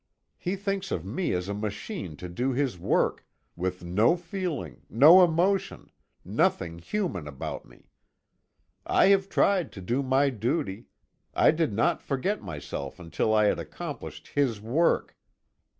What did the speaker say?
He thinks of me as a machine to do his work; with no feeling, no emotion, nothing human about me. I have tried to do my duty. I did not forget myself until I had accomplished his work.